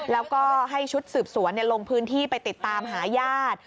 แล้วก็ให้ชุดสืบสวนลงพื้นที่ไปติดตามหาญาติ